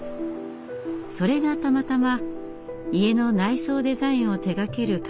それがたまたま家の内装デザインを手がける会社でした。